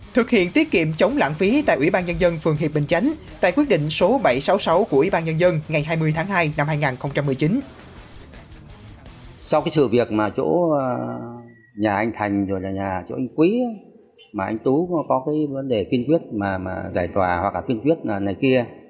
thực hiện tiết kiệm chống lãng phí tại ủy ban nhân dân phường hiệp bình chánh tại quyết định số bảy trăm sáu mươi sáu của ủy ban nhân dân ngày hai mươi tháng hai năm hai nghìn một mươi chín